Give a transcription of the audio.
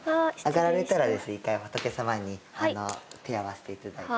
上がられたらですね１回仏様に手を合わせて頂いて。